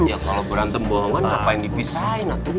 ya kalau berantem bohongan nggak apaan dipisahin atu